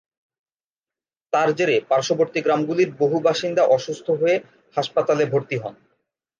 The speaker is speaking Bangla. তার জেরে পার্শ্ববর্তী গ্রামগুলির বহু বাসিন্দা অসুস্থ হয়ে হাসপাতালে ভর্তি হন।